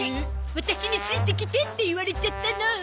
「ワタシについてきて」って言われちゃったの！